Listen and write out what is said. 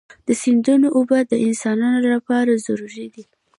د سیندونو اوبه د انسانانو لپاره ضروري دي.